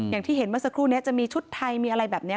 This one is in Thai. อย่างที่เห็นเมื่อสักครู่นี้จะมีชุดไทยมีอะไรแบบนี้